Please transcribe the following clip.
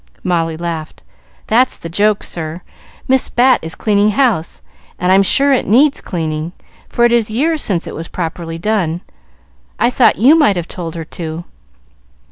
Molly laughed. "That's the joke, sir, Miss Bat is cleaning house, and I'm sure it needs cleaning, for it is years since it was properly done. I thought you might have told her to."